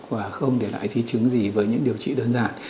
và không để lại di chứng gì với những điều trị đơn giản